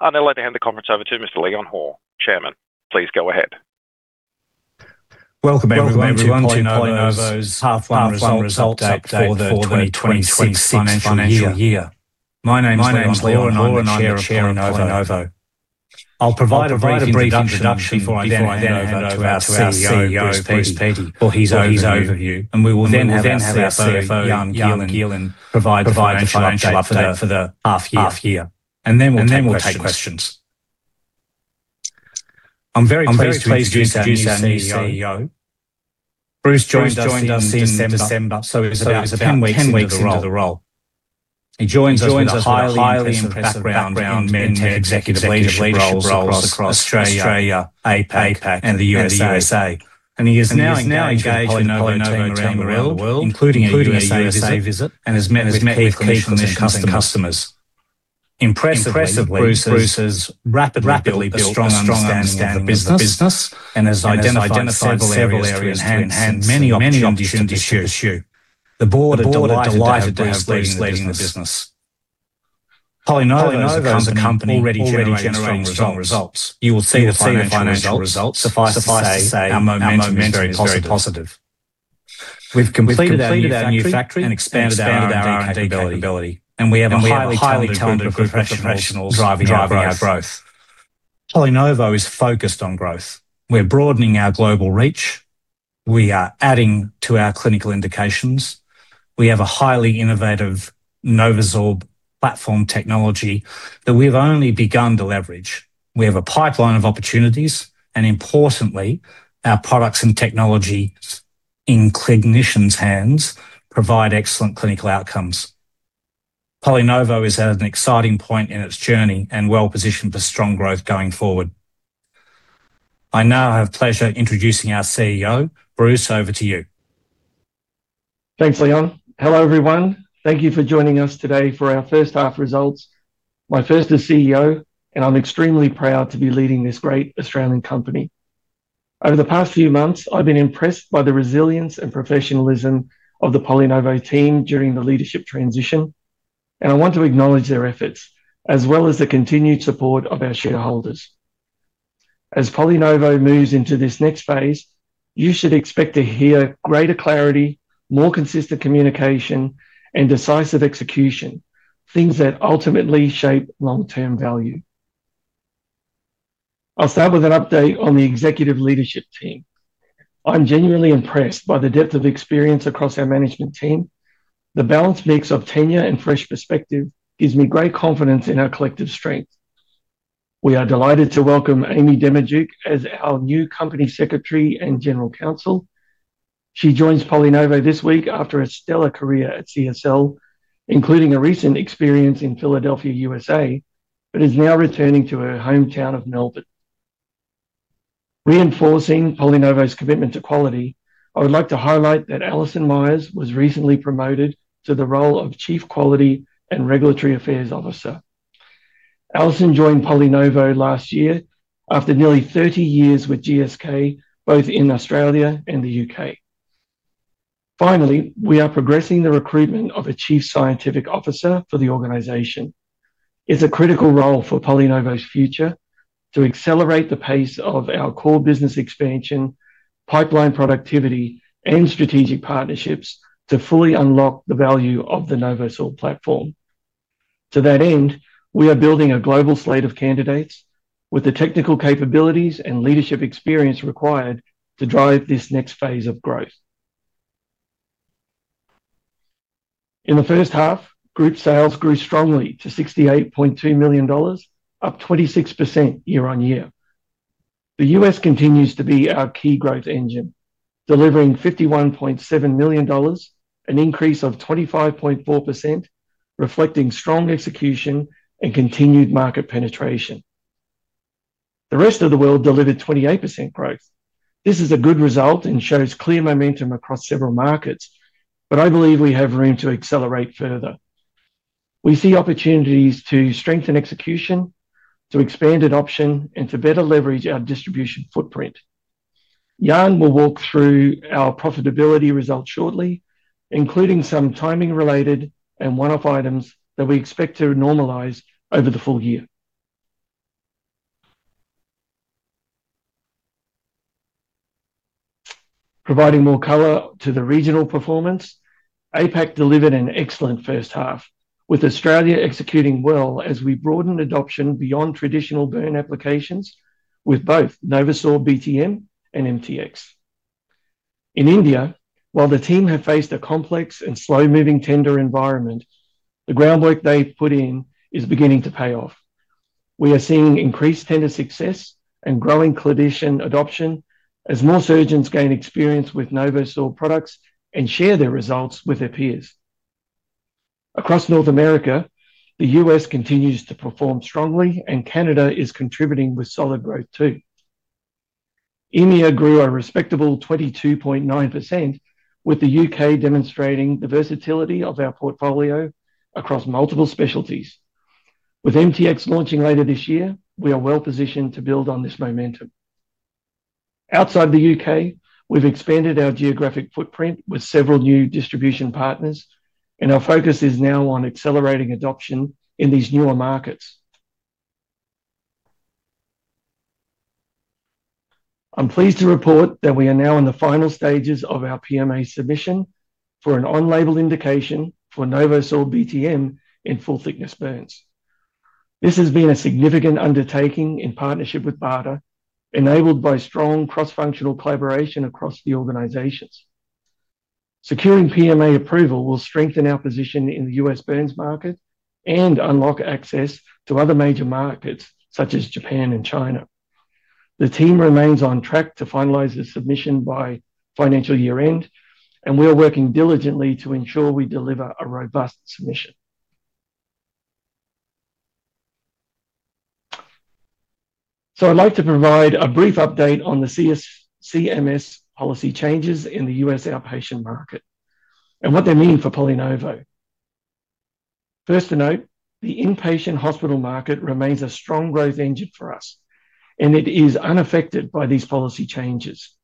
I'd now like to hand the conference over to Mr. Leon Hoare, Chairman. Please go ahead. Welcome everyone to PolyNovo's half one results update for the 2026 financial year. My name is Leon Hoare, and I'm the chair of PolyNovo. I'll provide a brief introduction before I then hand over to our CEO, Bruce Peatey, for his overview. We will then have our CFO, Jan Gielen, provide the financial update for the half year, and then we'll take questions. I'm very pleased to introduce our new CEO. Bruce joined us in December, so it's about 10 weeks into the role. He joins us with a highly impressive background in tech executive leadership roles across Australia, APAC, and the USA. He is now engaged with the PolyNovo team around the world, including a USA visit, and has met with key clinicians and customers. Impressively, Bruce has rapidly built a strong understanding of the business and has identified several areas where he enhances many opportunities to pursue. The board are delighted to have Bruce leading the business. PolyNovo is a company already generating strong results. You will see the financial results. Suffice to say, our momentum is very positive. We've completed our new factory and expanded our R&D capability, and we have a highly talented group of professionals driving our growth. PolyNovo is focused on growth. We're broadening our global reach. We are adding to our clinical indications. We have a highly innovative NovoSorb platform technology that we've only begun to leverage. We have a pipeline of opportunities, and importantly, our products and technologies in clinicians' hands provide excellent clinical outcomes. PolyNovo is at an exciting point in its journey and well-positioned for strong growth going forward. I now have pleasure introducing our CEO. Bruce, over to you. Thanks, Leon. Hello, everyone. Thank you for joining us today for our first half results, my first as CEO, and I'm extremely proud to be leading this great Australian company. Over the past few months, I've been impressed by the resilience and professionalism of the PolyNovo team during the leadership transition, and I want to acknowledge their efforts as well as the continued support of our shareholders. As PolyNovo moves into this next phase, you should expect to hear greater clarity, more consistent communication, and decisive execution, things that ultimately shape long-term value. I'll start with an update on the executive leadership team. I'm genuinely impressed by the depth of experience across our management team. The balanced mix of tenure and fresh perspective gives me great confidence in our collective strength. We are delighted to welcome Amy Demiduk as our new Company Secretary and General Counsel. She joins PolyNovo this week after a stellar career at CSL, including a recent experience in Philadelphia, USA, but is now returning to her hometown of Melbourne. Reinforcing PolyNovo's commitment to quality, I would like to highlight that Alison Myers was recently promoted to the role of Chief Quality and Regulatory Affairs Officer. Alison joined PolyNovo last year after nearly 30 years with GSK, both in Australia and the U.K. Finally, we are progressing the recruitment of a Chief Scientific Officer for the organization. It's a critical role for PolyNovo's future to accelerate the pace of our core business expansion, pipeline productivity, and strategic partnerships to fully unlock the value of the NovoSorb platform. To that end, we are building a global slate of candidates with the technical capabilities and leadership experience required to drive this next phase of growth. In the first half, group sales grew strongly to 68.2 million dollars, up 26% year-over-year. The U.S. continues to be our key growth engine, delivering $51.7 million, an increase of 25.4%, reflecting strong execution and continued market penetration. The rest of the world delivered 28% growth. This is a good result and shows clear momentum across several markets, but I believe we have room to accelerate further. We see opportunities to strengthen execution, to expand adoption, and to better leverage our distribution footprint. Jan will walk through our profitability results shortly, including some timing-related and one-off items that we expect to normalize over the full year. Providing more color to the regional performance, APAC delivered an excellent first half, with Australia executing well as we broaden adoption beyond traditional burn applications with both NovoSorb BTM and NovoSorb MTX. In India, while the team have faced a complex and slow-moving tender environment, the groundwork they've put in is beginning to pay off. We are seeing increased tender success and growing clinician adoption as more surgeons gain experience with NovoSorb products and share their results with their peers. Across North America, the U.S. continues to perform strongly, and Canada is contributing with solid growth, too. EMEA grew a respectable 22.9%, with the U.K. demonstrating the versatility of our portfolio across multiple specialties. With MTX launching later this year, we are well positioned to build on this momentum. Outside the U.K., we've expanded our geographic footprint with several new distribution partners, and our focus is now on accelerating adoption in these newer markets. I'm pleased to report that we are now in the final stages of our PMA submission for an on-label indication for NovoSorb BTM in full-thickness burns. This has been a significant undertaking in partnership with BARDA, enabled by strong cross-functional collaboration across the organizations. Securing PMA approval will strengthen our position in the U.S. burns market and unlock access to other major markets, such as Japan and China. The team remains on track to finalize the submission by financial year-end, and we are working diligently to ensure we deliver a robust submission. So I'd like to provide a brief update on the CMS policy changes in the U.S. outpatient market and what they mean for PolyNovo. First to note, the inpatient hospital market remains a strong growth engine for us, and it is unaffected by these policy changes.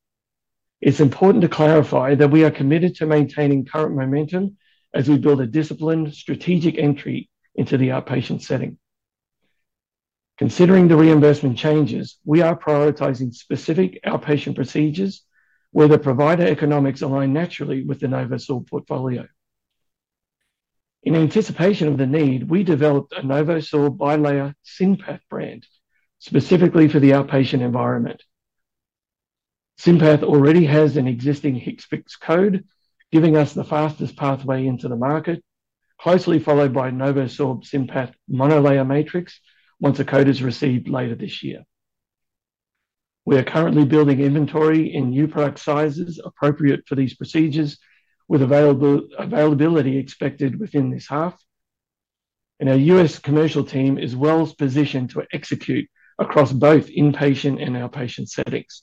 It's important to clarify that we are committed to maintaining current momentum as we build a disciplined, strategic entry into the outpatient setting. Considering the reimbursement changes, we are prioritizing specific outpatient procedures where the provider economics align naturally with the NovoSorb portfolio. In anticipation of the need, we developed a NovoSorb bilayer SynPath brand specifically for the outpatient environment. SynPath already has an existing HCPCS code, giving us the fastest pathway into the market, closely followed by NovoSorb SynPath monolayer matrix once a code is received later this year. We are currently building inventory in new product sizes appropriate for these procedures, with availability expected within this half, and our U.S. commercial team is well-positioned to execute across both inpatient and outpatient settings.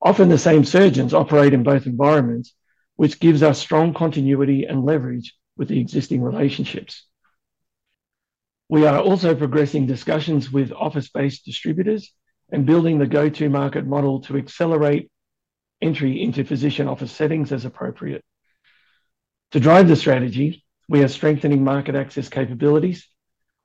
Often, the same surgeons operate in both environments, which gives us strong continuity and leverage with the existing relationships. We are also progressing discussions with office-based distributors and building the go-to-market model to accelerate entry into physician office settings as appropriate. To drive the strategy, we are strengthening market access capabilities,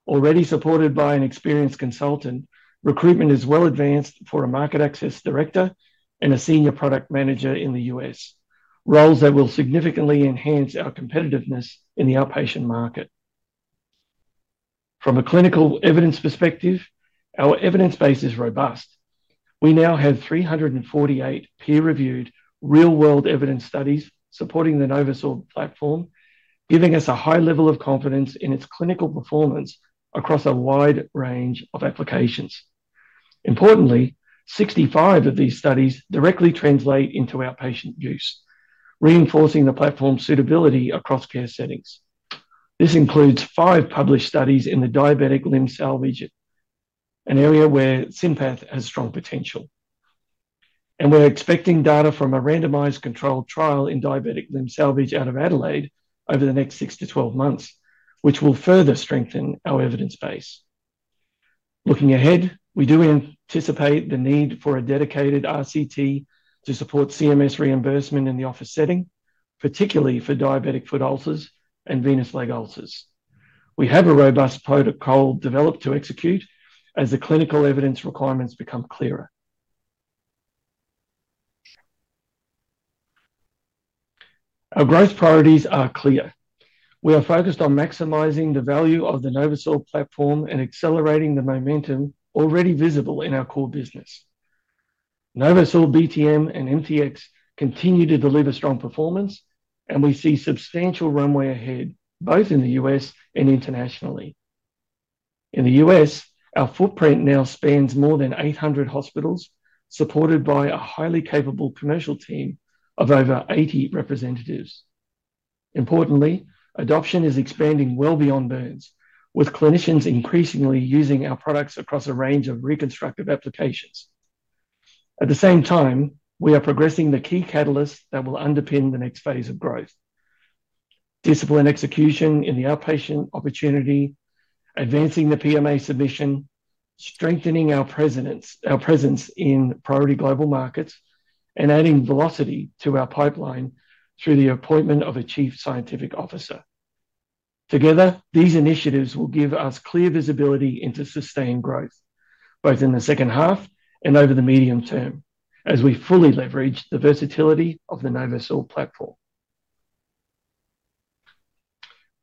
already supported by an experienced consultant. Recruitment is well advanced for a Market Access Director and a Senior Product Manager in the U.S., roles that will significantly enhance our competitiveness in the outpatient market. From a clinical evidence perspective, our evidence base is robust. We now have 348 peer-reviewed real-world evidence studies supporting the NovoSorb platform, giving us a high level of confidence in its clinical performance across a wide range of applications. Importantly, 65 of these studies directly translate into outpatient use, reinforcing the platform's suitability across care settings. This includes five published studies in the diabetic limb salvage, an area where SynPath has strong potential. We're expecting data from a randomized controlled trial in diabetic limb salvage out of Adelaide over the next 6-12 months, which will further strengthen our evidence base. Looking ahead, we do anticipate the need for a dedicated RCT to support CMS reimbursement in the office setting, particularly for diabetic foot ulcers and venous leg ulcers. We have a robust protocol developed to execute as the clinical evidence requirements become clearer. Our growth priorities are clear. We are focused on maximizing the value of the NovoSorb platform and accelerating the momentum already visible in our core business. NovoSorb BTM and MTX continue to deliver strong performance, and we see substantial runway ahead, both in the U.S. and internationally. In the U.S., our footprint now spans more than 800 hospitals, supported by a highly capable commercial team of over 80 representatives. Importantly, adoption is expanding well beyond burns, with clinicians increasingly using our products across a range of reconstructive applications. At the same time, we are progressing the key catalysts that will underpin the next phase of growth: disciplined execution in the outpatient opportunity, advancing the PMA submission, strengthening our presence, our presence in priority global markets, and adding velocity to our pipeline through the appointment of a Chief Scientific Officer. Together, these initiatives will give us clear visibility into sustained growth, both in the second half and over the medium term, as we fully leverage the versatility of the NovoSorb platform.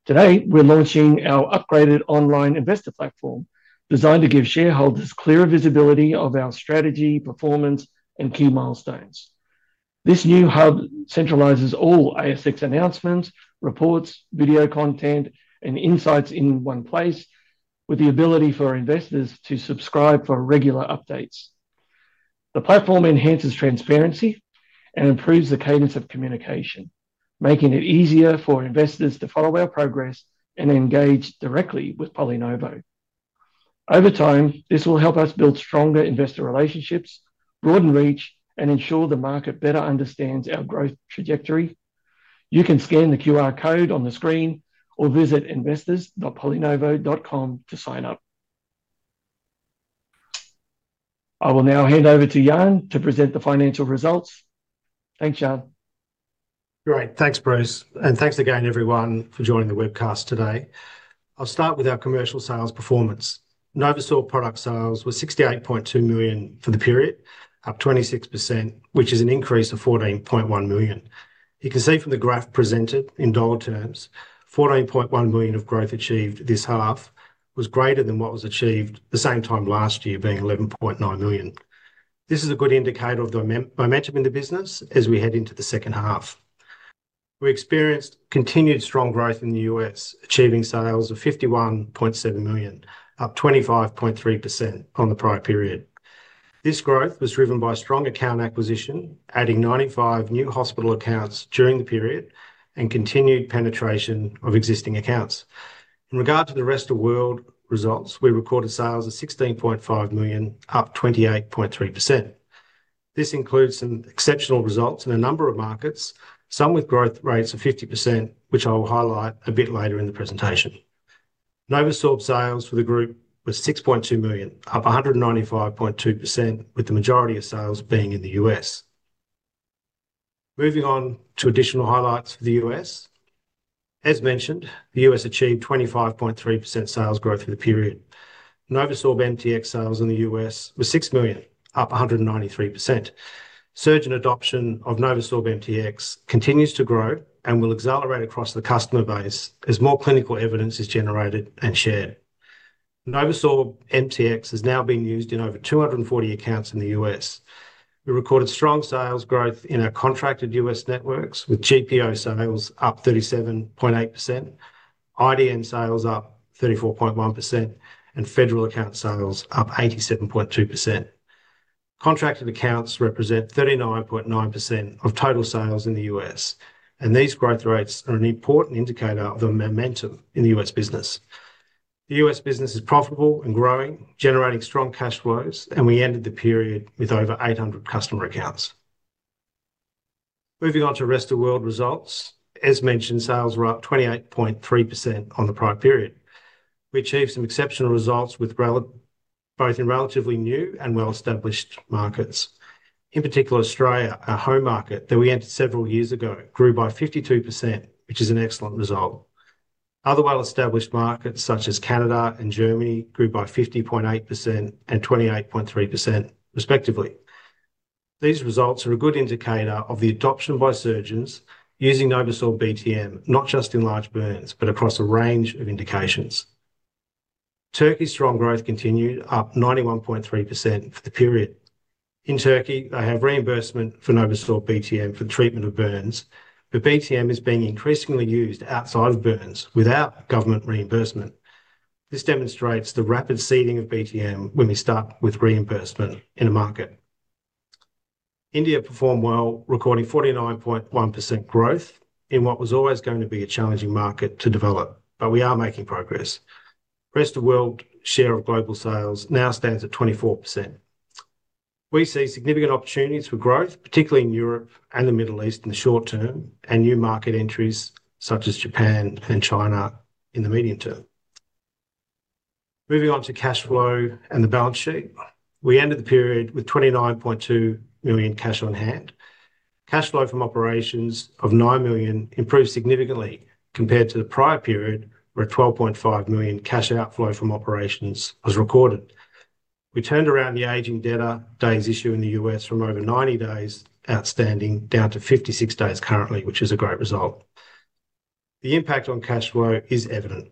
Today, we're launching our upgraded online investor platform, designed to give shareholders clearer visibility of our strategy, performance, and key milestones. This new hub centralizes all ASX announcements, reports, video content, and insights in one place, with the ability for investors to subscribe for regular updates. The platform enhances transparency and improves the cadence of communication, making it easier for investors to follow our progress and engage directly with PolyNovo. Over time, this will help us build stronger investor relationships, broaden reach, and ensure the market better understands our growth trajectory. You can scan the QR code on the screen or visit investors.polynovo.com to sign up. I will now hand over to Jan to present the financial results. Thanks, Jan. Great. Thanks, Bruce, and thanks again everyone for joining the webcast today. I'll start with our commercial sales performance. NovoSorb product sales was 68.2 million for the period, up 26%, which is an increase of 14.1 million. You can see from the graph presented in dollar terms, 14.1 million of growth achieved this half was greater than what was achieved the same time last year, being 11.9 million. This is a good indicator of the momentum in the business as we head into the second half. We experienced continued strong growth in the U.S., achieving sales of 51.7 million, up 25.3% on the prior period. This growth was driven by strong account acquisition, adding 95 new hospital accounts during the period, and continued penetration of existing accounts. In regard to the Rest of World results, we recorded sales of 16.5 million, up 28.3%. This includes some exceptional results in a number of markets, some with growth rates of 50%, which I will highlight a bit later in the presentation. NovoSorb sales for the group was 6.2 million, up 195.2%, with the majority of sales being in the U.S. Moving on to additional highlights for the U.S. As mentioned, the U.S. achieved 25.3% sales growth for the period. NovoSorb MTX sales in the U.S. were 6 million, up 193%. Surgeon adoption of NovoSorb MTX continues to grow and will accelerate across the customer base as more clinical evidence is generated and shared. NovoSorb MTX is now being used in over 240 accounts in the U.S. We recorded strong sales growth in our contracted U.S. networks, with GPO sales up 37.8%, IDN sales up 34.1%, and federal account sales up 87.2%. Contracted accounts represent 39.9% of total sales in the U.S., and these growth rates are an important indicator of the momentum in the U.S. business. The U.S. business is profitable and growing, generating strong cash flows, and we ended the period with over 800 customer accounts. Moving on to Rest of World results. As mentioned, sales were up 28.3% on the prior period. We achieved some exceptional results with both in relatively new and well-established markets. In particular, Australia, our home market, that we entered several years ago, grew by 52%, which is an excellent result. Other well-established markets, such as Canada and Germany, grew by 50.8% and 28.3% respectively. These results are a good indicator of the adoption by surgeons using NovoSorb BTM, not just in large burns, but across a range of indications. Turkey's strong growth continued, up 91.3% for the period. In Turkey, they have reimbursement for NovoSorb BTM for the treatment of burns, but BTM is being increasingly used outside of burns without government reimbursement. This demonstrates the rapid seeding of BTM when we start with reimbursement in a market. India performed well, recording 49.1% growth in what was always going to be a challenging market to develop, but we are making progress. Rest of World share of global sales now stands at 24%. We see significant opportunities for growth, particularly in Europe and the Middle East in the short term, and new market entries such as Japan and China in the medium term. Moving on to cash flow and the balance sheet. We ended the period with 29.2 million cash on hand. Cash flow from operations of 9 million improved significantly compared to the prior period, where a 12.5 million cash outflow from operations was recorded. We turned around the aging debtor days issue in the U.S. from over 90 days outstanding down to 56 days currently, which is a great result. The impact on cash flow is evident.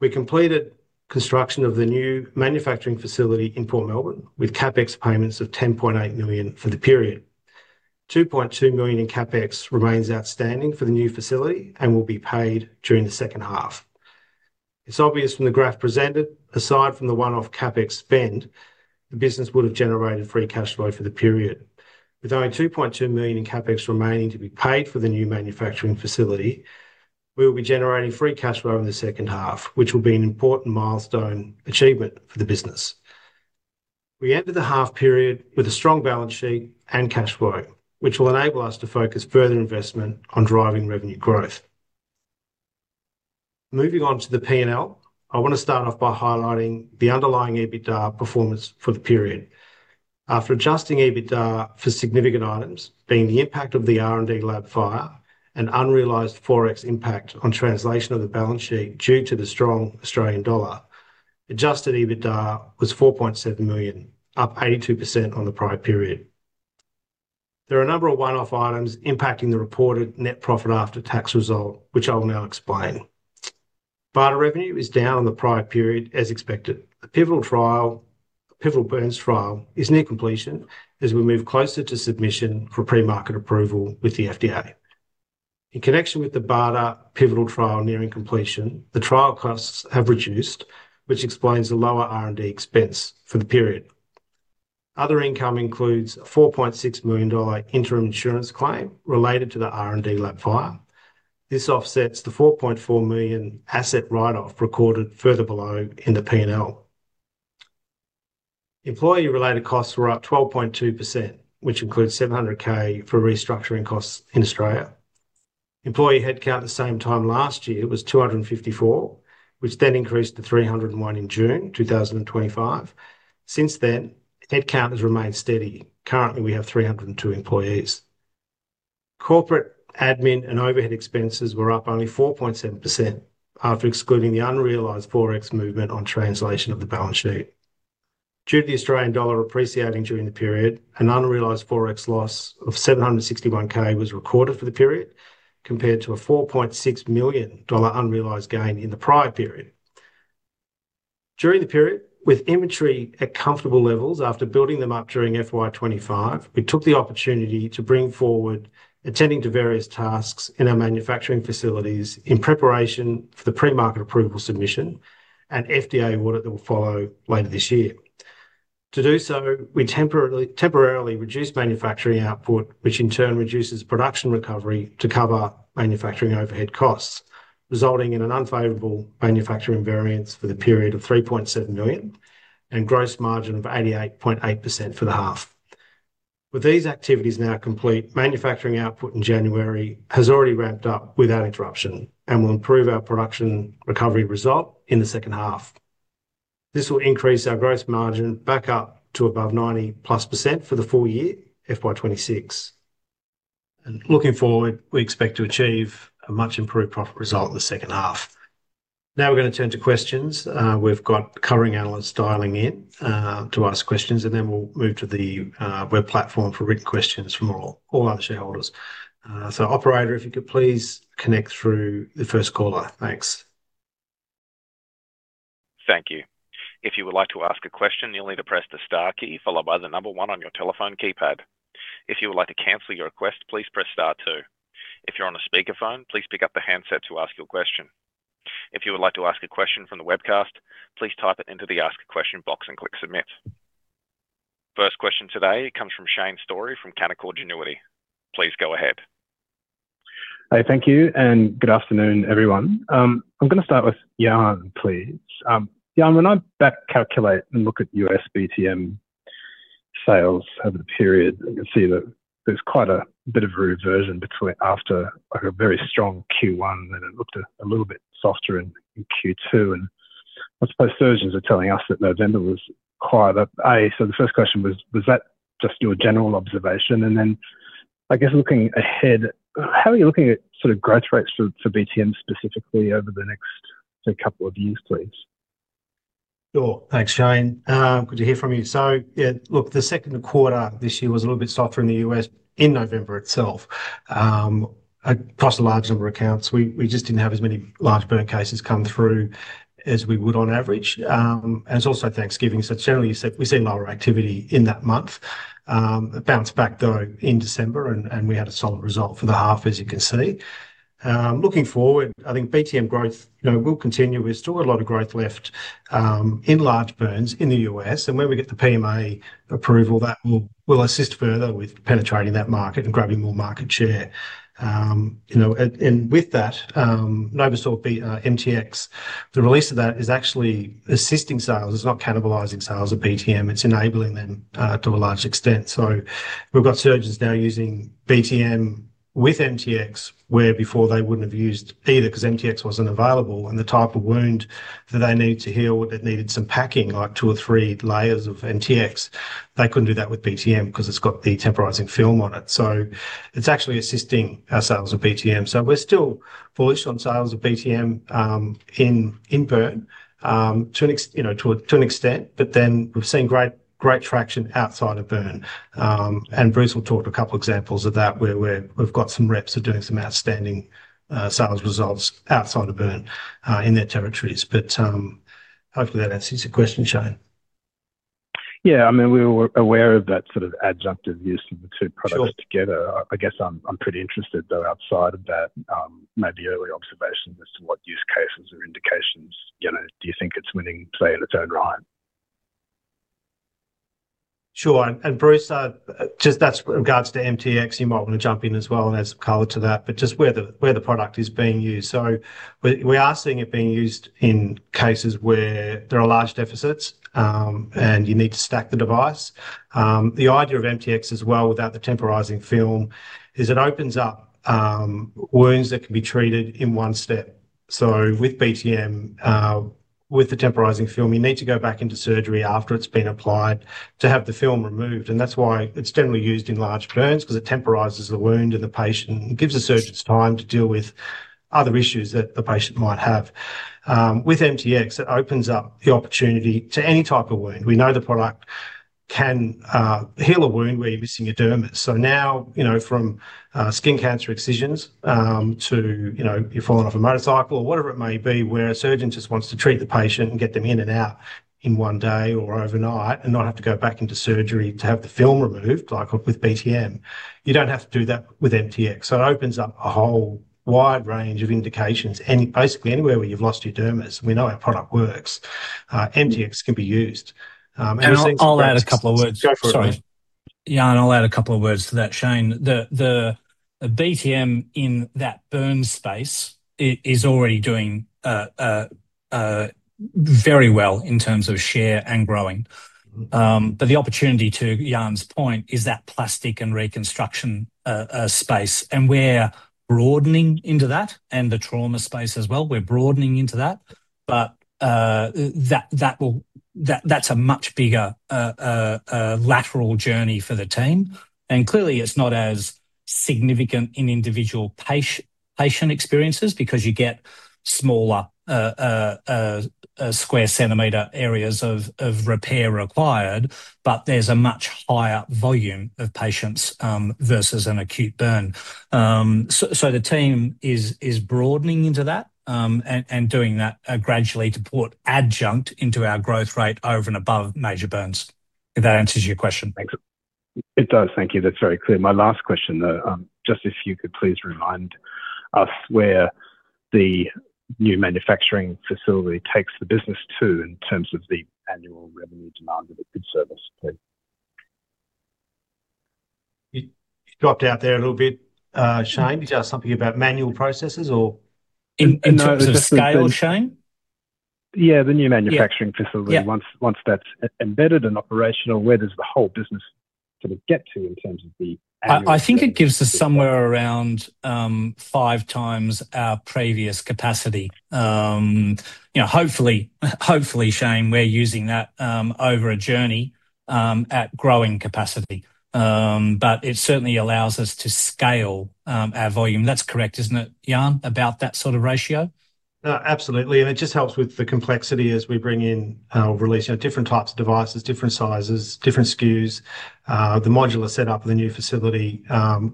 We completed construction of the new manufacturing facility in Port Melbourne, with CapEx payments of AUD 10.8 million for the period. AUD 2.2 million in CapEx remains outstanding for the new facility and will be paid during the second half. It's obvious from the graph presented, aside from the one-off CapEx spend, the business would have generated free cash flow for the period. With only 2.2 million in CapEx remaining to be paid for the new manufacturing facility, we will be generating free cash flow in the second half, which will be an important milestone achievement for the business. We ended the half period with a strong balance sheet and cash flow, which will enable us to focus further investment on driving revenue growth. Moving on to the P&L. I want to start off by highlighting the underlying EBITDA performance for the period. After adjusting EBITDA for significant items, being the impact of the R&D lab fire and unrealized Forex impact on translation of the balance sheet due to the strong Australian dollar, Adjusted EBITDA was 4.7 million, up 82% on the prior period. There are a number of one-off items impacting the reported net profit after tax result, which I will now explain. BARDA revenue is down on the prior period as expected. The pivotal trial, pivotal burns trial is near completion as we move closer to submission for pre-market approval with the FDA. In connection with the BARDA pivotal trial nearing completion, the trial costs have reduced, which explains the lower R&D expense for the period. Other income includes a 4.6 million dollar interim insurance claim related to the R&D lab fire. This offsets the 4.4 million asset write-off recorded further below in the P&L. Employee-related costs were up 12.2%, which includes 700K for restructuring costs in Australia. Employee headcount the same time last year was 254, which then increased to 301 in June 2025. Since then, headcount has remained steady. Currently, we have 302 employees. Corporate admin and overhead expenses were up only 4.7% after excluding the unrealized Forex movement on translation of the balance sheet. Due to the Australian dollar appreciating during the period, an unrealized Forex loss of 761K was recorded for the period, compared to an 4.6 million dollar unrealized gain in the prior period. During the period, with inventory at comfortable levels after building them up during FY 2025, we took the opportunity to bring forward attending to various tasks in our manufacturing facilities in preparation for the pre-market approval submission and FDA audit that will follow later this year. To do so, we temporarily reduced manufacturing output, which in turn reduces production recovery to cover manufacturing overhead costs, resulting in an unfavorable manufacturing variance for the period of 3.7 million and gross margin of 88.8% for the half. With these activities now complete, manufacturing output in January has already ramped up without interruption and will improve our production recovery result in the second half. This will increase our gross margin back up to above 90%+ for the full year, FY 2026. Looking forward, we expect to achieve a much improved profit result in the second half. Now we're going to turn to questions. We've got covering analysts dialing in to ask questions, and then we'll move to the web platform for written questions from all our shareholders. So operator, if you could please connect through the first caller. Thanks. Thank you. If you would like to ask a question, you'll need to press the star key followed by the number one on your telephone keypad. If you would like to cancel your request, please press star two. If you're on a speakerphone, please pick up the handset to ask your question. If you would like to ask a question from the webcast, please type it into the Ask a Question box and click Submit. First question today comes from Shane Storey from Canaccord Genuity. Please go ahead. Hey, thank you, and good afternoon, everyone. I'm going to start with Jan, please. Jan, when I back calculate and look at U.S. BTM sales over the period, you can see that there's quite a bit of reversion between after, like, a very strong Q1, and it looked a little bit softer in Q2. And I suppose surgeons are telling us that November was quiet. But so the first question was that just your general observation? And then, I guess looking ahead, how are you looking at sort of growth rates for BTM specifically over the next, say, couple of years, please? Sure. Thanks, Shane. Good to hear from you. So, yeah, look, the second quarter this year was a little bit softer in the U.S. in November itself. Across a large number of accounts, we just didn't have as many large burn cases come through as we would on average. And it's also Thanksgiving, so generally, you see, we've seen lower activity in that month. It bounced back, though, in December, and we had a solid result for the half, as you can see. Looking forward, I think BTM growth, you know, will continue. We've still got a lot of growth left, in large burns in the U.S., and when we get the PMA approval, that will assist further with penetrating that market and grabbing more market share. You know, with that, NovoSorb MTX, the release of that is actually assisting sales. It's not cannibalizing sales of BTM, it's enabling them to a large extent. So we've got surgeons now using BTM with MTX, where before they wouldn't have used either, 'cause MTX wasn't available, and the type of wound that they needed to heal, it needed some packing, like two or three layers of MTX. They couldn't do that with BTM 'cause it's got the temporizing film on it. So it's actually assisting our sales of BTM. So we're still bullish on sales of BTM in burns to an extent, but then we've seen great, great traction outside of burns. And Bruce will talk to a couple examples of that, where we've got some reps are doing some outstanding sales results outside of burn in their territories. But, hopefully that answers your question, Shane. Yeah, I mean, we were aware of that sort of adjunctive use of the two products- Sure... together. I guess I'm pretty interested, though, outside of that, maybe early observations as to what use cases or indications, you know, do you think it's winning play in its own right? Sure. And, Bruce, just that's regards to MTX, you might want to jump in as well and add some color to that, but just where the product is being used. So we are seeing it being used in cases where there are large deficits, and you need to stack the device. The idea of MTX as well, without the temporizing film, is it opens up wounds that can be treated in one step. So with BTM, with the temporizing film, you need to go back into surgery after it's been applied to have the film removed, and that's why it's generally used in large burns, 'cause it temporizes the wound, and the patient. It gives the surgeons time to deal with other issues that the patient might have. With MTX, it opens up the opportunity to any type of wound. We know the product can heal a wound where you're missing a dermis. So now, you know, from skin cancer excisions to, you know, you've fallen off a motorcycle or whatever it may be, where a surgeon just wants to treat the patient and get them in and out in one day or overnight, and not have to go back into surgery to have the film removed, like with BTM. You don't have to do that with MTX. So it opens up a whole wide range of indications, any basically anywhere where you've lost your dermis. We know our product works. MTX can be used, and we're seeing- I'll add a couple of words. Go for it, mate. Yeah, I'll add a couple of words to that, Shane. The BTM in that burn space is already doing very well in terms of share and growing. The opportunity, to Jan's point, is that plastic and reconstruction space, and we're broadening into that, and the trauma space as well, we're broadening into that. That will, that's a much bigger lateral journey for the team. Clearly, it's not as significant in individual patient experiences because you get smaller square centimeter areas of repair required, but there's a much higher volume of patients versus an acute burn. So the team is broadening into that, and doing that gradually to put adjunct into our growth rate over and above major burns, if that answers your question. Thanks. It does, thank you. That's very clear. My last question, though, just if you could please remind us where the new manufacturing facility takes the business to in terms of the annual revenue demand of a good service please? It dropped out there a little bit, Shane. You said something about manual processes or- In terms of scale, Shane? Yeah, the new manufacturing facility- Yeah... once that's embedded and operational, where does the whole business kind of get to in terms of the annual- I think it gives us somewhere around five times our previous capacity. You know, hopefully, hopefully, Shane, we're using that over a journey at growing capacity. But it certainly allows us to scale our volume. That's correct, isn't it, Jan, about that sort of ratio? Absolutely. And it just helps with the complexity as we bring in or release, you know, different types of devices, different sizes, different SKUs. The modular setup of the new facility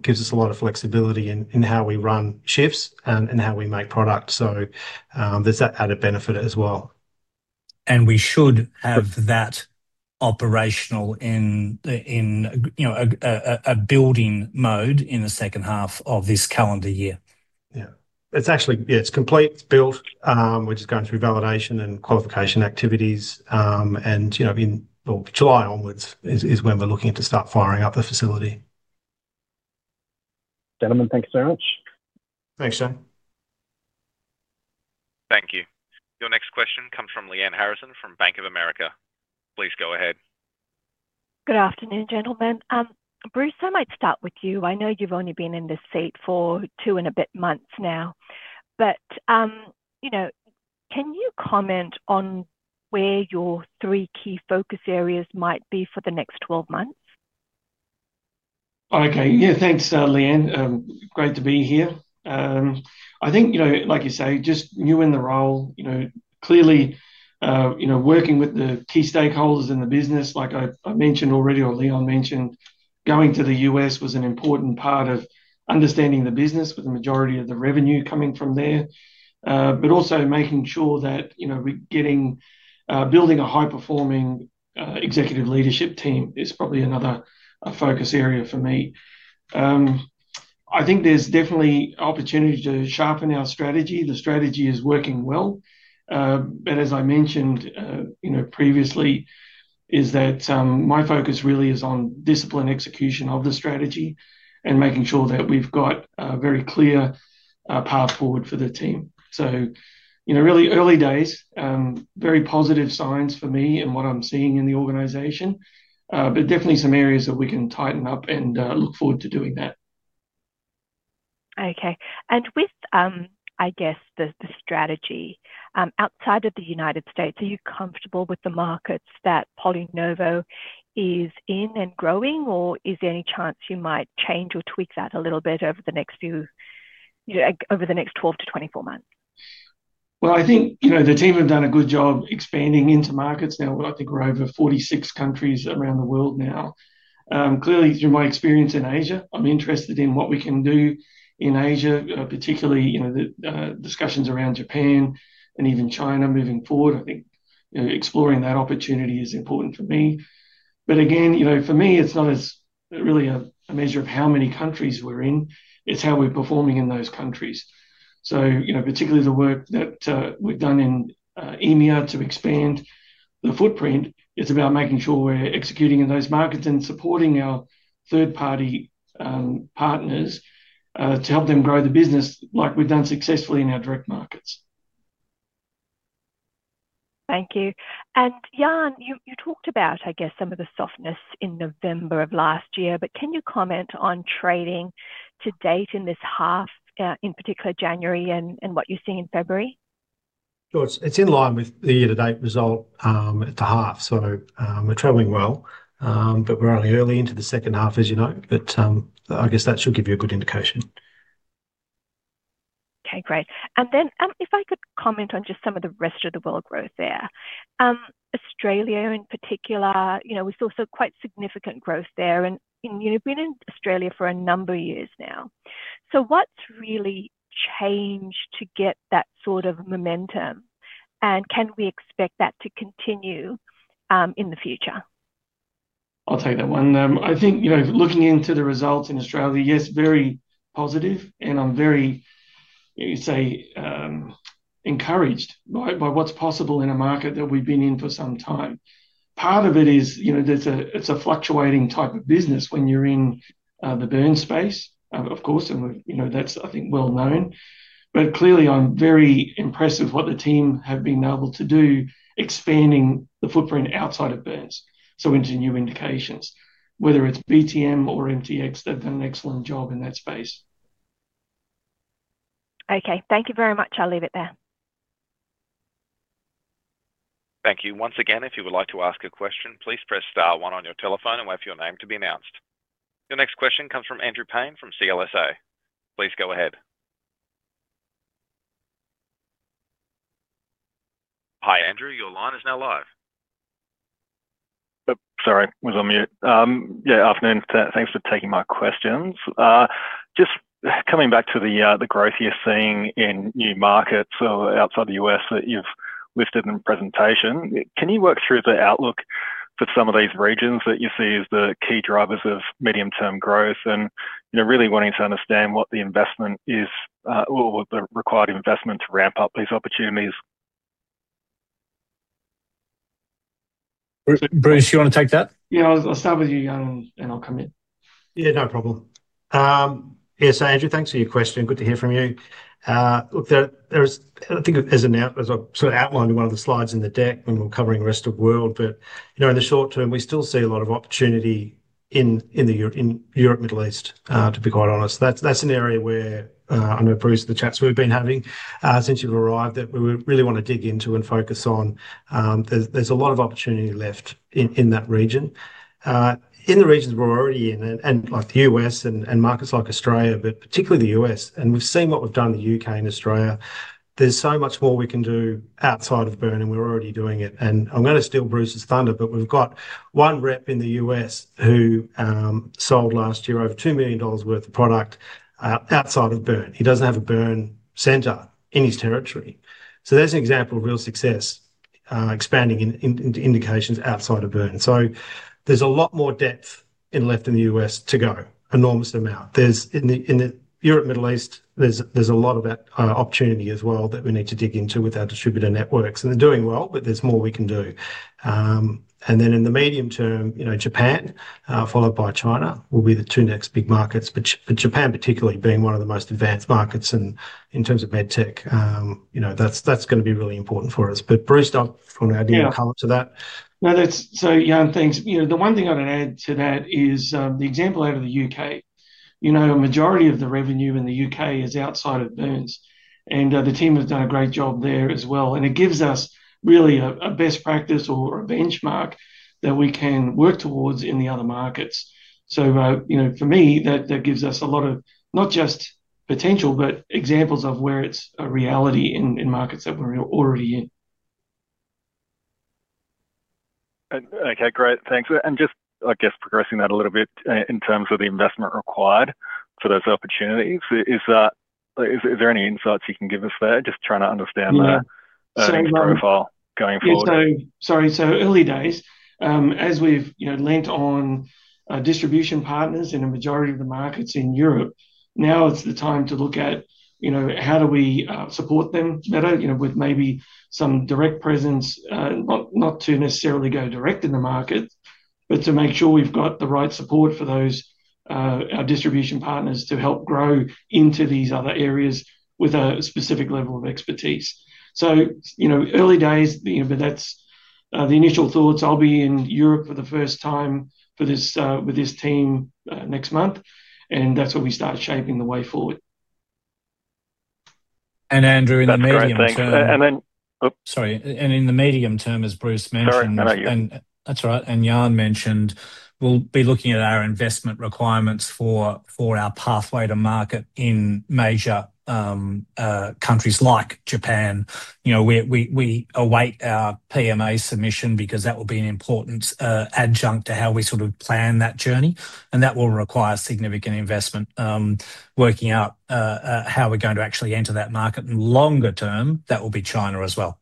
gives us a lot of flexibility in how we run shifts and how we make product. So, there's that added benefit as well. We should have that operational in, you know, a building mode in the second half of this calendar year. Yeah. It's actually, yeah, it's complete, it's built. We're just going through validation and qualification activities. And, you know, in well, July onwards is when we're looking to start firing up the facility. Gentlemen, thank you so much. Thanks, Shane. Thank you. Your next question comes from Lyanne Harrison, from Bank of America. Please go ahead. Good afternoon, gentlemen. Bruce, I might start with you. I know you've only been in this seat for two and a bit months now. But, you know, can you comment on where your three key focus areas might be for the next 12 months? Okay. Yeah, thanks, Lyanne. Great to be here. I think, you know, like you say, just new in the role, you know, clearly, you know, working with the key stakeholders in the business, like I mentioned already, or Leon mentioned, going to the U.S. was an important part of understanding the business, with the majority of the revenue coming from there. Also making sure that, you know, we're getting, building a high-performing executive leadership team is probably another focus area for me. I think there's definitely opportunity to sharpen our strategy. The strategy is working well. As I mentioned previously, my focus really is on discipline, execution of the strategy, and making sure that we've got a very clear path forward for the team. So, you know, really early days, very positive signs for me and what I'm seeing in the organization. But definitely some areas that we can tighten up, and look forward to doing that. Okay. And with, I guess, the strategy outside of the United States, are you comfortable with the markets that PolyNovo is in and growing, or is there any chance you might change or tweak that a little bit over the next few, you know, over the next 12 to 24 months? Well, I think, you know, the team have done a good job expanding into markets. Now, we like to grow over 46 countries around the world now. Clearly, through my experience in Asia, I'm interested in what we can do in Asia, you know, particularly the discussions around Japan and even China moving forward. I think, you know, exploring that opportunity is important for me. Again, you know, for me, it's not as really a measure of how many countries we're in, it's how we're performing in those countries. You know, particularly the work that we've done in EMEA to expand the footprint, it's about making sure we're executing in those markets and supporting our third-party partners to help them grow the business like we've done successfully in our direct markets. Thank you. Jan, you talked about, I guess, some of the softness in November of last year, but can you comment on trading to date in this half, in particular, January and what you've seen in February? Sure. It's, it's in line with the year-to-date result, at the half, so, we're traveling well. But we're only early into the second half, as you know, but, I guess that should give you a good indication. Okay, great. And then, if I could comment on just some of the rest of the world growth there. Australia in particular, you know, we saw some quite significant growth there, and you've been in Australia for a number of years now. So what's really changed to get that sort of momentum, and can we expect that to continue, in the future? I'll take that one. I think, you know, looking into the results in Australia, yes, very positive, and I'm very, you know, encouraged by, by what's possible in a market that we've been in for some time. Part of it is, you know, there's a-- it's a fluctuating type of business when you're in, the burn space, you know, that's, I think, well known. Clearly, I'm very impressed with what the team have been able to do, expanding the footprint outside of burns, so into new indications. Whether it's BTM or MTX, they've done an excellent job in that space. Okay, thank you very much. I'll leave it there. Thank you. Once again, if you would like to ask a question, please press star one on your telephone and wait for your name to be announced. The next question comes from Andrew Paine from CLSA. Please go ahead. Hi, Andrew, your line is now live. Sorry, was on mute. Yeah, afternoon. Thanks for taking my questions. Just coming back to the growth you're seeing in new markets or outside the U.S. that you've listed in the presentation. Can you work through the outlook for some of these regions that you see as the key drivers of medium-term growth? And, you know, really wanting to understand what the investment is, or what the required investment to ramp up these opportunities. Bruce, you want to take that? Yeah, I'll start with you, Jan, and I'll come in. Yeah, no problem. Yeah, so Andrew, thanks for your question. Good to hear from you. Look, there is, I think as I sort of outlined in one of the slides in the deck when we're covering the Rest of World but you know, in the short term, we still see a lot of opportunity in Europe, Middle East, to be quite honest. That's an area where, I know, Bruce, the chats we've been having since you've arrived, that we really want to dig into and focus on. There's a lot of opportunity left in that region. In the regions we're already in and like the U.S. and markets like Australia, but particularly the U.S., and we've seen what we've done in the U.K. and Australia, there's so much more we can do outside of burn, and we're already doing it. And I'm gonna steal Bruce's thunder, but we've got one rep in the U.S. who sold last year over $2 million worth of product outside of burn. He doesn't have a burn center in his territory. So there's an example of real success expanding into indications outside of burn. So there's a lot more depth left in the U.S. to go, enormous amount. There's in the Europe, Middle East, there's a lot of opportunity as well that we need to dig into with our distributor networks, and they're doing well, but there's more we can do. And then in the medium term, you know, Japan followed by China will be the two next big markets, but Japan particularly being one of the most advanced markets and in terms of med tech, you know, that's gonna be really important for us. But Bruce, I want to add any color to that. No, that's-- Jan, thanks. You know, the one thing I'd add to that is, you know, the example out of the U.K. You know, majority of the revenue in the U.K. is outside of burns, and the team has done a great job there as well, and it gives us really a best practice or a benchmark that we can work towards in the other markets. You know, for me, that gives us a lot of not just potential, but examples of where it's a reality in markets that we're already in. Okay, great. Thanks. And just, I guess, progressing that a little bit in terms of the investment required for those opportunities. Is that- Is, is there any insights you can give us there? Just trying to understand the- Yeah... profile going forward. Yeah, so, sorry. So early days, as we've, you know, leaned on, distribution partners in a majority of the markets in Europe, now it's the time to look at, you know, how do we, support them better, you know, with maybe some direct presence. Not, not to necessarily go direct in the market, but to make sure we've got the right support for those, our distribution partners to help grow into these other areas with a specific level of expertise. So, you know, early days, you know, but that's, the initial thoughts. I'll be in Europe for the first time for this, with this team, next month, and that's where we start shaping the way forward. Andrew, in the medium term- That's great. Thank you. And then... Oh. Sorry, in the medium term, as Bruce mentioned- Sorry, over to you. That's right, and Jan mentioned, we'll be looking at our investment requirements for our pathway to market in major countries like Japan. You know, we await our PMA submission because that will be an important adjunct to how we sort of plan that journey, and that will require significant investment, working out how we're going to actually enter that market, and longer term, that will be China as well.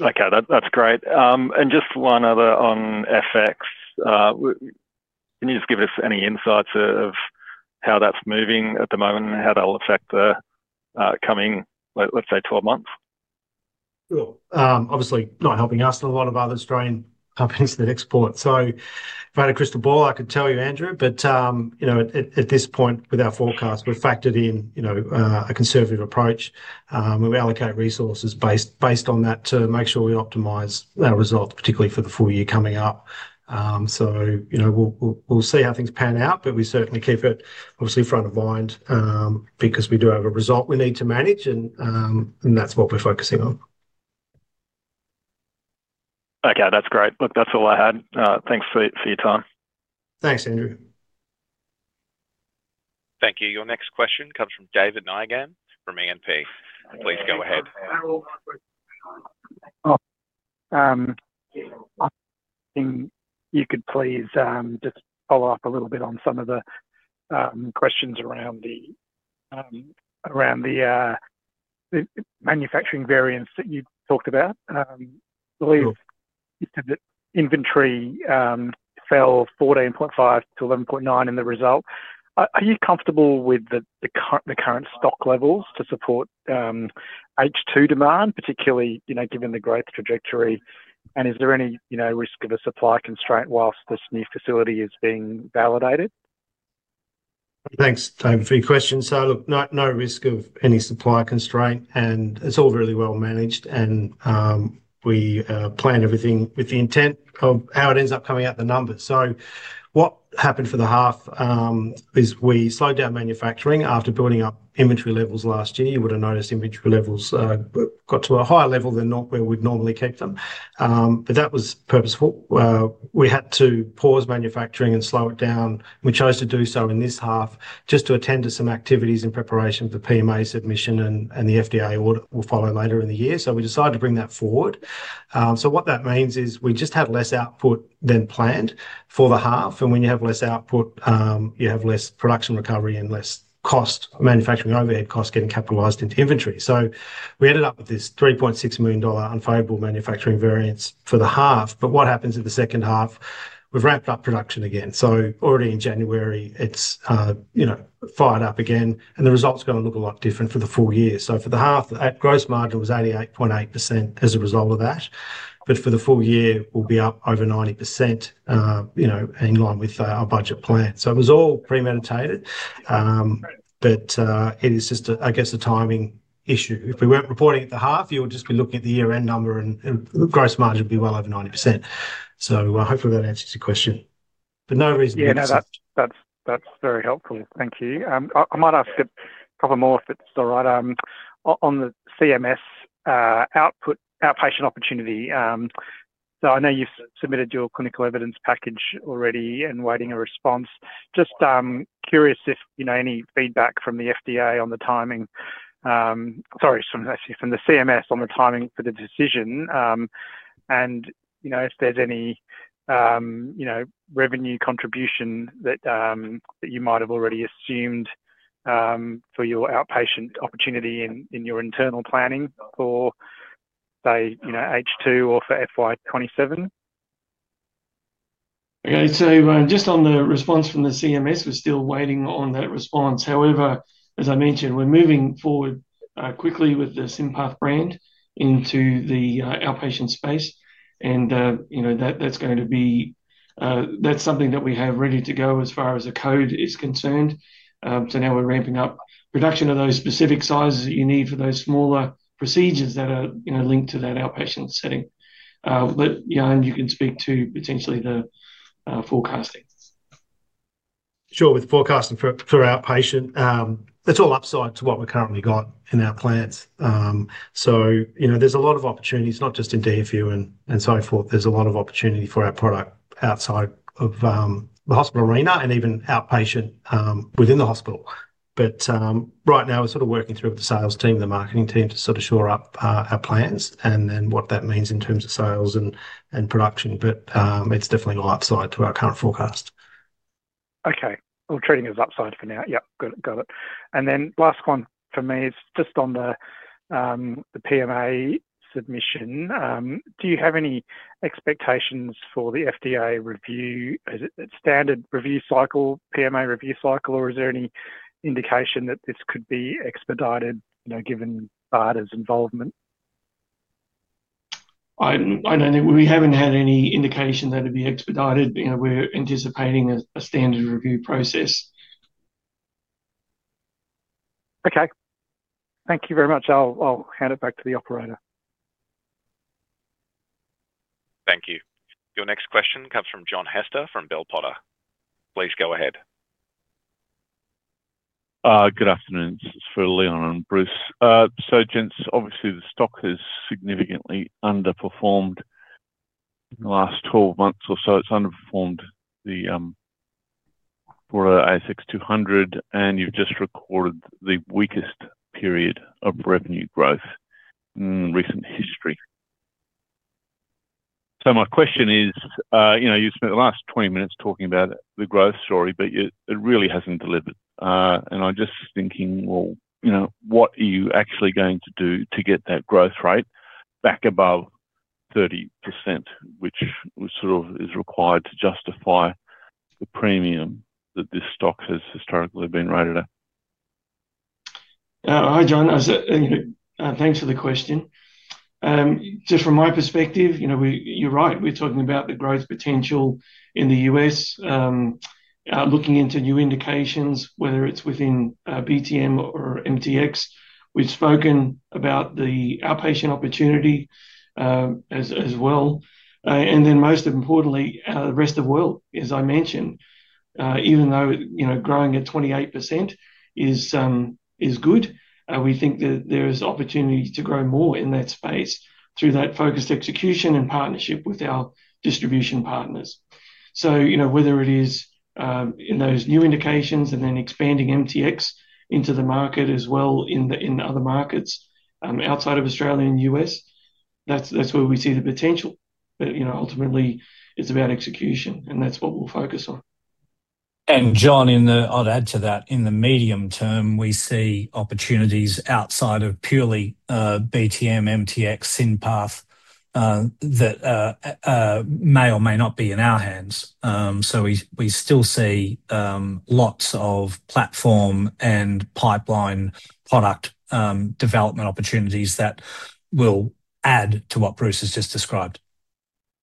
Okay, that's great. Can you just give us any insights of how that's moving at the moment and how that'll affect the coming, let's say, 12 months? Well, obviously, not helping us and a lot of other Australian companies that export. So if I had a crystal ball, I could tell you, Andrew, but, you know, at this point with our forecast, we've factored in, you know, a conservative approach. We allocate resources based on that to make sure we optimize our results, particularly for the full year coming up. So, you know, we'll see how things pan out, but we certainly keep it obviously front of mind, because we do have a result we need to manage and that's what we're focusing on. Okay, that's great. Look, that's all I had. Thanks for your time. Thanks, Andrew. Thank you. Your next question comes from David Nygaard from AMP. Please go ahead. Could you please just follow up a little bit on some of the questions around the, around the burn-... The manufacturing variance that you talked about, I believe you said that inventory fell 14.5 to 11.9 in the result. Are you comfortable with the current stock levels to support H2 demand, particularly, you know, given the growth trajectory? Is there any, you know, risk of a supply constraint whilst this new facility is being validated? Thanks, David, for your question. So look, no, no risk of any supply constraint, and it's all really well managed, and we planned everything with the intent of how it ends up coming out in the numbers. So what happened for the half is we slowed down manufacturing after building up inventory levels last year. You would have noticed inventory levels got to a higher level than nor- where we'd normally keep them. But that was purposeful. We had to pause manufacturing and slow it down. We chose to do so in this half, just to attend to some activities in preparation for PMA submission and, and the FDA audit will follow later in the year. So we decided to bring that forward. What that means is we just had less output than planned for the half, and when you have less output, you have less production recovery and less cost, manufacturing overhead costs getting capitalized into inventory. We ended up with this $3.6 million unfavorable manufacturing variance for the half. What happens in the second half? We've ramped up production again. Already in January, it's, you know, fired up again, and the results are gonna look a lot different for the full year. For the half, that gross margin was 88.8% as a result of that. For the full year, we'll be up over 90%, you know, in line with our budget plan. It was all premeditated. It is just, I guess, a timing issue. If we weren't reporting at the half, you would just be looking at the year-end number, and the gross margin would be well over 90%. So hopefully that answers your question. But no reason- Yeah, no, that's, that's, that's very helpful. Thank you. I, I might ask a couple more, if it's all right. On, on the CMS outpatient opportunity. So I know you've submitted your clinical evidence package already and waiting a response. Just curious if you know any feedback from the FDA on the timing. Sorry, from actually from the CMS on the timing for the decision, and, you know, if there's any, you know, revenue contribution that, that you might have already assumed, for your outpatient opportunity in, in your internal planning for, say, you know, H2 or for FY 2027. Okay, just on the response from the CMS, we're still waiting on that response. However, as I mentioned, we're moving forward quickly with the SynPath brand into the outpatient space, and, you know, that's going to be, that's something that we have ready to go as far as the code is concerned. So now we're ramping up production of those specific sizes that you need for those smaller procedures that are, you know, linked to that outpatient setting. Yeah, and you can speak to potentially the forecasting. Sure, with forecasting for outpatient, it's all upside to what we currently got in our plans. So, you know, there's a lot of opportunities, not just in DFU and so forth. There's a lot of opportunity for our product outside of the hospital arena and even outpatient within the hospital. But right now, we're sort of working through with the sales team, the marketing team, to sort of shore up our plans and then what that means in terms of sales and production. But it's definitely all upside to our current forecast. Okay. We're treating as upside for now. Yep, got it, got it. And then last one for me is just on the PMA submission. Do you have any expectations for the FDA review? Is it a standard review cycle, PMA review cycle, or is there any indication that this could be expedited, you know, given BARDA's involvement? I know we haven't had any indication that it'd be expedited. You know, we're anticipating a standard review process. Okay. Thank you very much. I'll hand it back to the operator. Thank you. Your next question comes from John Hester from Bell Potter. Please go ahead. Good afternoon. This is for Leon and Bruce. So gents, obviously, the stock has significantly underperformed in the last 12 months or so. It's underperformed the for ASX 200, and you've just recorded the weakest period of revenue growth in recent history. So my question is, you know, you spent the last 20 minutes talking about the growth story, but it really hasn't delivered. And I'm just thinking, well, you know, what are you actually going to do to get that growth rate back above 30%, which was sort of is required to justify the premium that this stock has historically been rated at? Hi, John. Thanks for the question. Just from my perspective, you know, you're right. We're talking about the growth potential in the U.S., looking into new indications, whether it's within BTM or MTX. We've spoken about the outpatient opportunity, as well. And then, most importantly, the Rest of World, as I mentioned. Even though, you know, growing at 28% is good, we think that there is opportunity to grow more in that space through that focused execution and partnership with our distribution partners. So, you know, whether it is in those new indications and then expanding MTX into the market as well in the other markets outside of Australia and U.S., that's where we see the potential. You know, ultimately, it's about execution, and that's what we'll focus on.... And, John, I'd add to that, in the medium term, we see opportunities outside of purely BTM, MTX, SynPath that may or may not be in our hands. So we still see lots of platform and pipeline product development opportunities that will add to what Bruce has just described.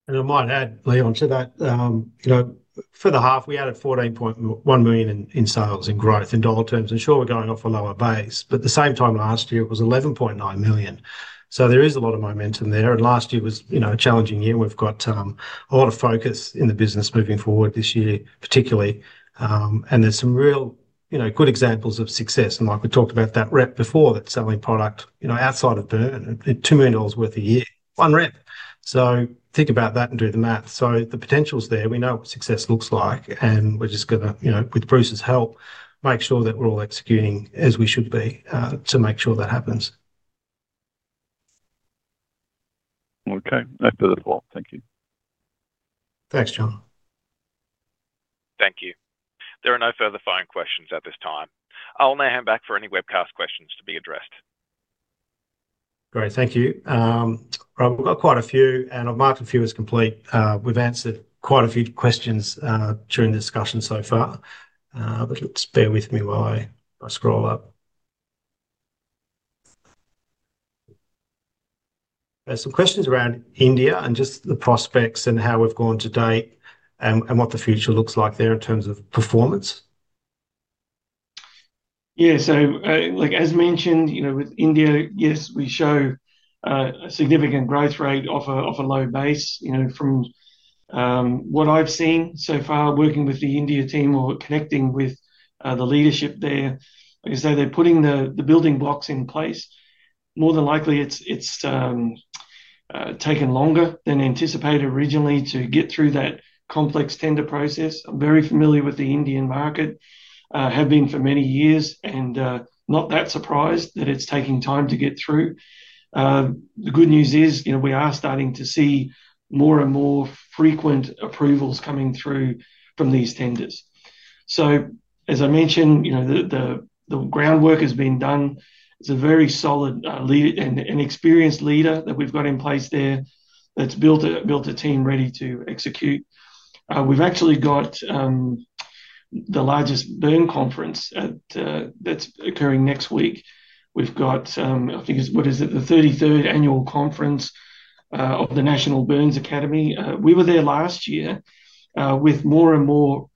I might add, Leon, to that, you know, for the half, we added $14.1 million in sales, in growth in dollar terms. Sure, we're going off a lower base, but the same time last year, it was $11.9 million. There is a lot of momentum there, and last year was, you know, a challenging year. We've got, you know, a lot of focus in the business moving forward this year, particularly. There's some real, you know, good examples of success. Like we talked about that rep before, that selling product, you know, outside of burn, and $2 million worth a year, one rep. Think about that and do the math. The potential's there. We know what success looks like, and we're just gonna, you know, with Bruce's help, make sure that we're all executing as we should be, to make sure that happens. Okay. That's beautiful. Thank you. Thanks, John. Thank you. There are no further phone questions at this time. I'll now hand back for any webcast questions to be addressed. Great. Thank you. I've got quite a few, and I've marked a few as complete. We've answered quite a few questions during the discussion so far. But just bear with me while I scroll up. There's some questions around India and just the prospects and how we've gone to date, and what the future looks like there in terms of performance. Yeah. Like, as mentioned, you know, with India, yes, we show a significant growth rate off a low base. You know, from what I've seen so far, working with the India team or connecting with the leadership there, like I say, they're putting the building blocks in place. More than likely, it's taken longer than anticipated originally to get through that complex tender process. I'm very familiar with the Indian market, have been for many years, and not that surprised that it's taking time to get through. The good news is, you know, we are starting to see more and more frequent approvals coming through from these tenders. As I mentioned, you know, the groundwork has been done. It's a very solid, experienced leader that we've got in place there that's built a team ready to execute. We've actually got the largest burn conference that's occurring next week. We've got, I think it's—what is it? The 33rd Annual Conference of the National Burns Academy. We were there last year, with more and more,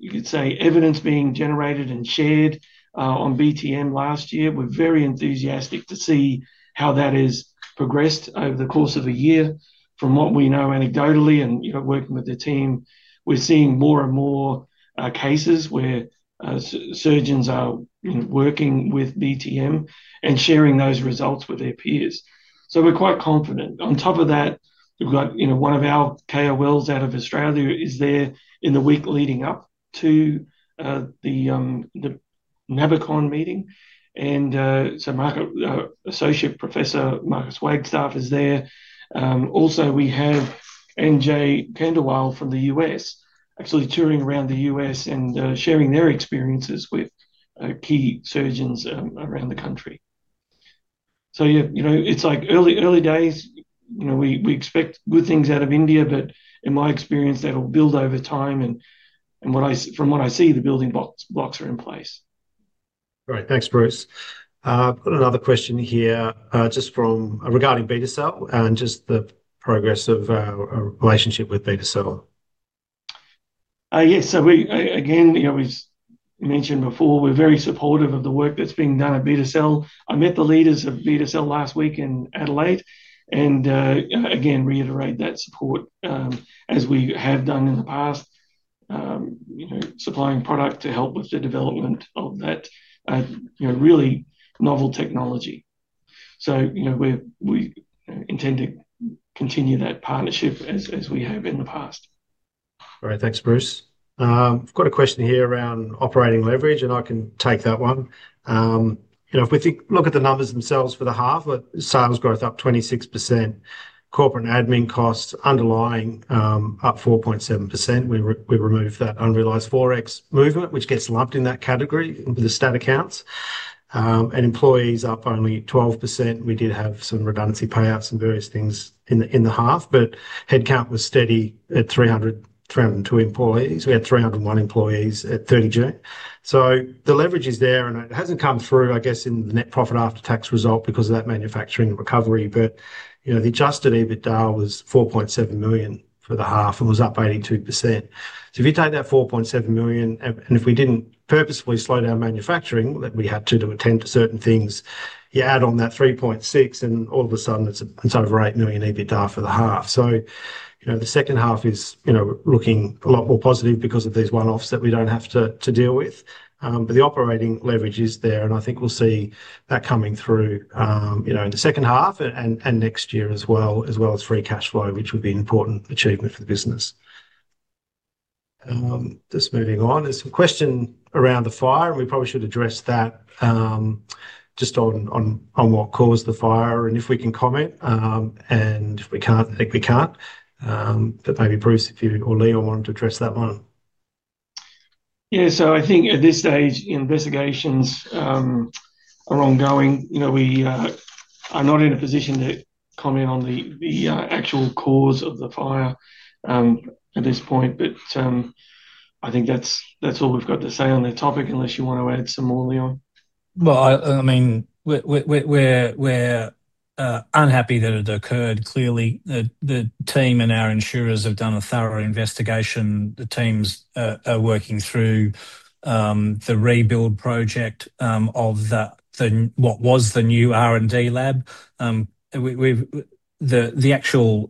you could say, evidence being generated and shared on BTM last year. We're very enthusiastic to see how that has progressed over the course of a year. From what we know anecdotally and, you know, working with the team, we're seeing more and more cases where surgeons are, you know, working with BTM and sharing those results with their peers. We're quite confident. On top of that, we've got, you know, one of our KOLs out of Australia, is there in the week leading up to the NABICON Meeting. Marco, Associate Professor Marcus Wagstaff is there. Also, we have Anjay Khandelwal from the U.S., actually touring around the U.S. and sharing their experiences with key surgeons around the country. Yeah, you know, it's like early, early days. You know, we expect good things out of India, but in my experience, that'll build over time, and what I see, the building blocks are in place. Great. Thanks, Bruce. I've got another question here, just regarding Beta-Cell, and just the progress of our relationship with Beta-Cell. Yes, so we, again, you know, as mentioned before, we're very supportive of the work that's being done at Beta-Cell. I met the leaders of Beta-Cell last week in Adelaide, and, again, reiterate that support, as we have done in the past, you know, supplying product to help with the development of that, you know, really novel technology. So, you know, we intend to continue that partnership as we have in the past. Great. Thanks, Bruce. I've got a question here around operating leverage, and I can take that one. You know, if we think, look at the numbers themselves for the half, sales growth up 26%, corporate and admin costs underlying up 4.7%. We removed that unrealized Forex movement, which gets lumped in that category with the stat accounts. And employees up only 12%. We did have some redundancy payouts and various things in the half, but headcount was steady at 300, 302 employees. We had 301 employees at June 30. So the leverage is there, and it hasn't come through, I guess, in the net profit after tax result because of that manufacturing recovery. You know, the Adjusted EBITDA was $4.7 million for the half and was up 82%. If you take that $4.7 million, and if we didn't purposefully slow down manufacturing, that we had to, to attend to certain things, you add on that $3.6 million, and all of a sudden, it's over $8 million EBITDA for the half. You know, the second half is looking a lot more positive because of these one-offs that we don't have to deal with. The operating leverage is there, and I think we'll see that coming through, you know, in the second half and next year as well, as well as free cash flow, which would be an important achievement for the business. Just moving on. There's some question around the fire, and we probably should address that, just on what caused the fire and if we can comment, and if we can't, I think we can't. But maybe Bruce, if you or Leon wanted to address that one? Yeah, I think at this stage, investigations are ongoing. You know, we are not in a position to comment on the actual cause of the fire at this point. I think that's all we've got to say on that topic, unless you want to add some more, Leon. Well, I mean, we're unhappy that it occurred. Clearly, the team and our insurers have done a thorough investigation. The teams are working through the rebuild project of what was the new R&D lab. We've the actual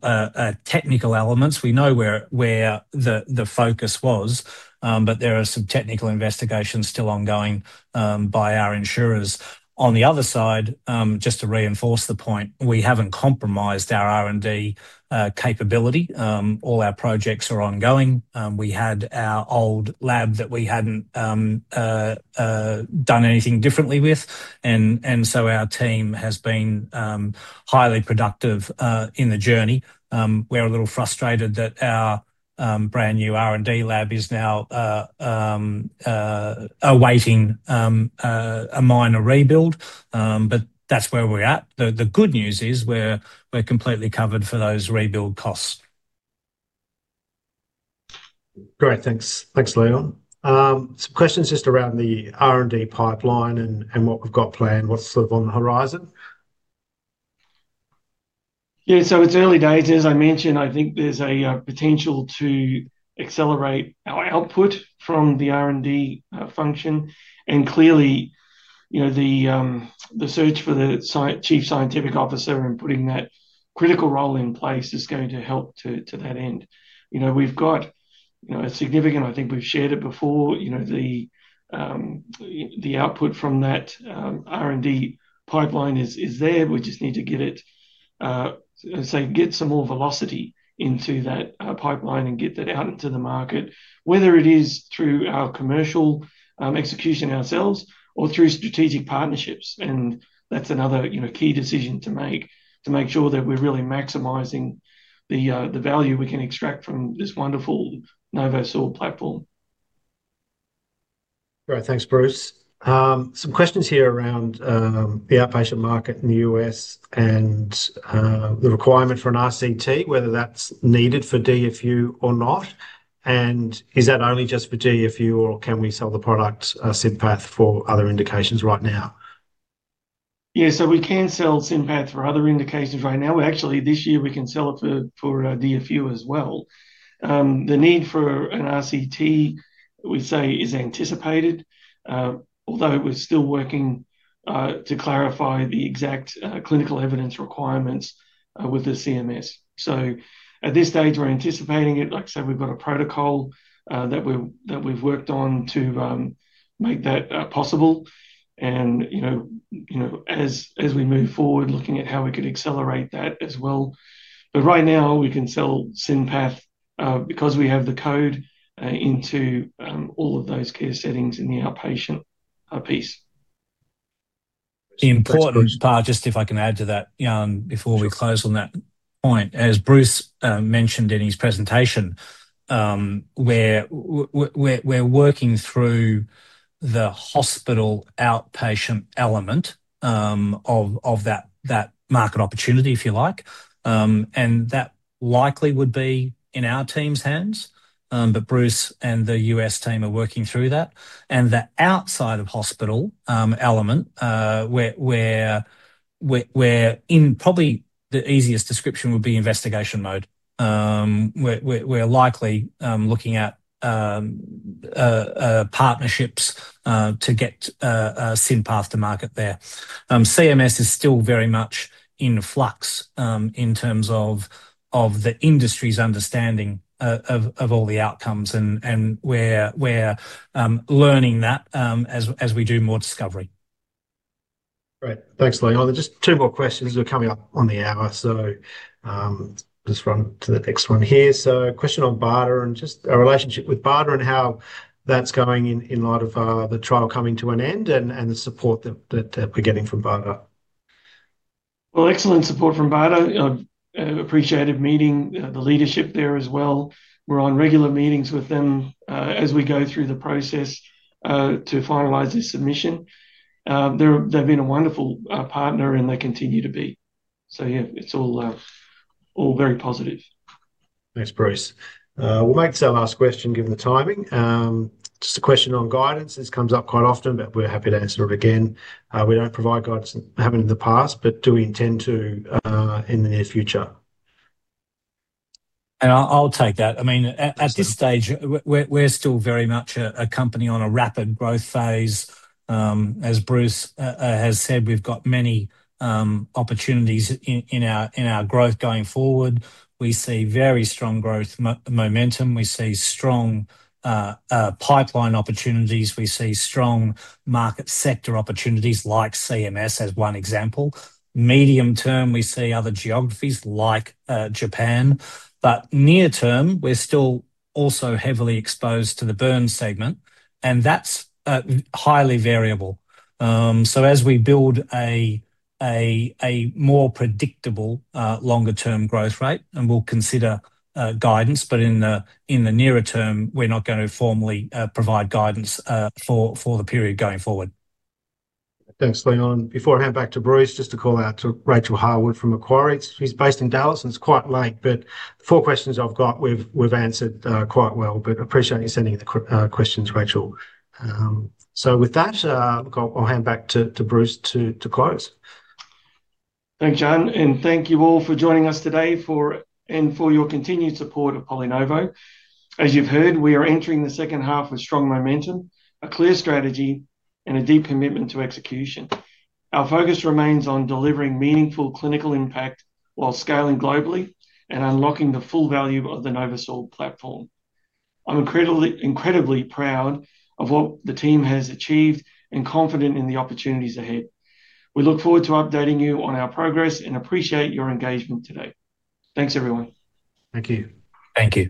technical elements we know where the focus was, but there are some technical investigations still ongoing by our insurers. On the other side, just to reinforce the point, we haven't compromised our R&D capability. All our projects are ongoing. We had our old lab that we hadn't done anything differently with, and so our team has been highly productive in the journey. We're a little frustrated that our brand-new R&D lab is now awaiting a minor rebuild. But that's where we're at. The good news is, we're completely covered for those rebuild costs. Great. Thanks. Thanks, Leon. Some questions just around the R&D pipeline and what we've got planned. What's sort of on the horizon? Yeah, so it's early days. As I mentioned, I think there's a potential to accelerate our output from the R&D function. And clearly, you know, the search for the chief scientific officer and putting that critical role in place is going to help to that end. You know, we've got a significant... I think we've shared it before, you know, the output from that R&D pipeline is there. We just need to get it, say, get some more velocity into that pipeline and get that out into the market, whether it is through our commercial execution ourselves or through strategic partnerships. And that's another, you know, key decision to make, to make sure that we're really maximizing the value we can extract from this wonderful NovoSorb platform. Great. Thanks, Bruce. Some questions here around the outpatient market in the U.S. and the requirement for an RCT, whether that's needed for DFU or not. Is that only just for DFU, or can we sell the product, SynPath, for other indications right now? Yeah, so we can sell SynPath for other indications right now. Actually, this year, we can sell it for DFU as well. The need for an RCT, we say, is anticipated, although we're still working to clarify the exact clinical evidence requirements with the CMS. So at this stage, we're anticipating it. Like I said, we've got a protocol that we've worked on to make that possible and, you know, as we move forward, looking at how we could accelerate that as well. But right now, we can sell SynPath because we have the code into all of those care settings in the outpatient piece. The important part, just if I can add to that, Jan, before we close on that point. As Bruce mentioned in his presentation, we're working through the hospital outpatient element of that market opportunity, if you like. And that likely would be in our team's hands, but Bruce and the U.S. team are working through that. And the outside of hospital element, probably the easiest description would be investigation mode. We're likely looking at partnerships to get SynPath to market there. CMS is still very much in flux in terms of the industry's understanding of all the outcomes, and we're learning that as we do more discovery. Great. Thanks, Leon. Just two more questions. We're coming up on the hour, so, just run to the next one here. So question on BARDA, and just our relationship with BARDA and how that's going in light of the trial coming to an end and the support that we're getting from BARDA. Well, excellent support from BARDA. I appreciated meeting the leadership there as well. We're on regular meetings with them as we go through the process to finalize this submission. They've been a wonderful partner, and they continue to be. So yeah, it's all very positive. Thanks, Bruce. We'll make this our last question, given the timing. Just a question on guidance. This comes up quite often, but we're happy to answer it again. We don't provide guidance, haven't in the past, but do we intend to, in the near future? I'll take that. I mean, at this stage- Please do... we're still very much a company on a rapid growth phase. As Bruce has said, we've got many opportunities in our growth going forward. We see very strong growth momentum, we see strong pipeline opportunities, we see strong market sector opportunities like CMS as one example. Medium term, we see other geographies like Japan. Near term, we're still also heavily exposed to the burn segment, and that's highly variable. As we build a more predictable, longer-term growth rate, we'll consider guidance, but in the nearer term, we're not going to formally provide guidance for the period going forward. Thanks, Leon. Before I hand back to Bruce, just a call out to Rachel Harwood from Macquarie. She's based in Dallas, and it's quite late, but the four questions I've got, we've answered quite well, but appreciate you sending the questions, Rachel. Look, I'll hand back to Bruce to close. Thanks, Jan, and thank you all for joining us today, and for your continued support of PolyNovo. As you've heard, we are entering the second half with strong momentum, a clear strategy, and a deep commitment to execution. Our focus remains on delivering meaningful clinical impact while scaling globally and unlocking the full value of the NovoSorb platform. I'm incredibly, incredibly proud of what the team has achieved and confident in the opportunities ahead. We look forward to updating you on our progress and appreciate your engagement today. Thanks, everyone. Thank you. Thank you.